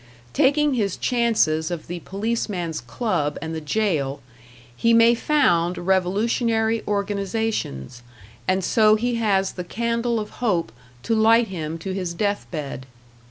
Taking his chances of the policeman's club and the jail, he may found revolutionary organizations, and so he has the candle of hope to light him to his death bed.